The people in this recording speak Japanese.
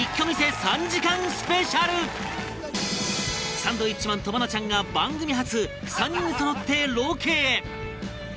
サンドウィッチマンと愛菜ちゃんが番組初３人そろってロケへ